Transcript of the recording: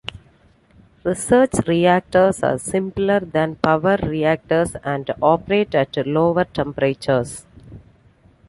Research reactors are simpler than power reactors and operate at lower temperatures.